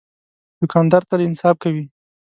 دوکاندار تل انصاف کوي.